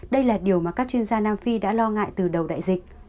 đây là điều mà các chuyên gia nam phi đã lo ngại từ đầu đại dịch